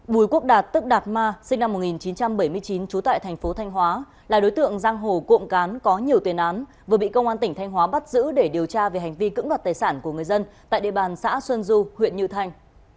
bùi quốc đạt tức đạt ma sinh năm một nghìn chín trăm bảy mươi chín trú tại thành phố thanh hóa là đối tượng giang hồ cuộm cán có nhiều tuyên án vừa bị công an tỉnh thanh hóa bắt giữ để điều tra về hành vi cưỡng đoạt tài sản của người dân tại địa bàn xã xuân du huyện như thanh